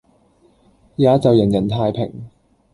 也就人人太平。